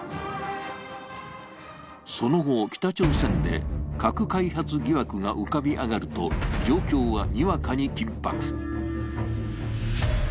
その後、北朝鮮で核開発疑惑が浮かび上がると、状況はにわかに緊迫。